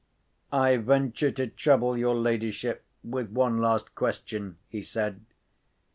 "I venture to trouble your ladyship with one last question," he said.